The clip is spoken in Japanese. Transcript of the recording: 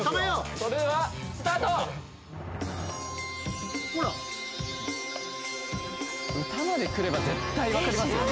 それではスタート歌までくれば絶対分かりますよね